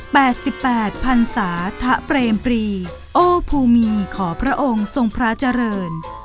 แปดสิบแปดพันศาทะเปรมปรีโอภูมีขอพระองค์ทรงพระเจริญ